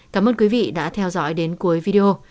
cảm ơn quý vị đã theo dõi đến cuối video